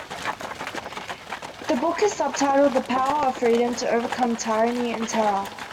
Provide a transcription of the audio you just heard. The book is sub-titled, The Power of Freedom to Overcome Tyranny and Terror.